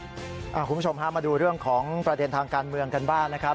คุณผู้ชมฮะมาดูเรื่องของประเด็นทางการเมืองกันบ้างนะครับ